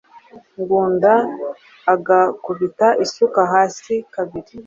Ngunda agakubita isuka hasi kabiri